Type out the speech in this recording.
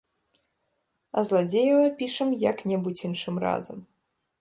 А зладзеяў апішам як-небудзь іншым разам.